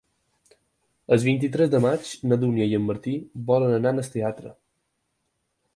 El vint-i-tres de maig na Dúnia i en Martí volen anar al teatre.